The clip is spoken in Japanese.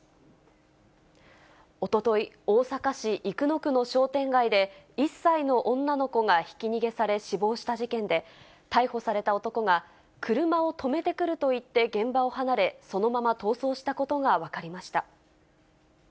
おととい、大阪市生野区の商店街で、１歳の女の子がひき逃げされ、死亡した事件で、逮捕された男が、車を止めてくると言って現場を離れ、そのまま逃走したことが分かりました。